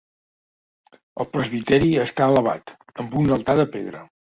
El presbiteri està elevat, amb un altar de pedra.